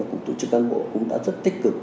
cùng tổ chức cán bộ cũng đã rất tích cực